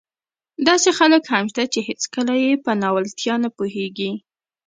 داسې خلک هم شته چې هېڅکله يې په ناولتیا نه پوهېږي.